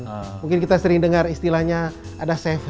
kemudian kita sering dengar istilahnya ada safe haven